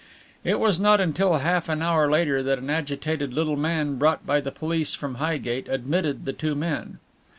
It was not until half an hour later that an agitated little man brought by the police from Highgate admitted the two men.